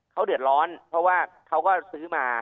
เขาเดือดร้อนเพราะว่าเขาก็ซื้อมา